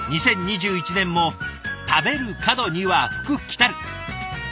２０２１年も食べる門には福きたる！